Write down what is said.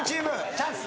チャンス。